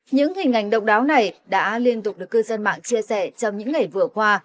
những hình ảnh độc đáo này đã liên tục được cư dân mạng chia sẻ trong những ngày vừa qua